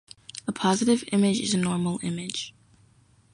A positive image is a normal image.